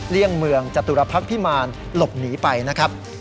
เลี่ยงเมืองจตุรพักษ์พิมารหลบหนีไปนะครับ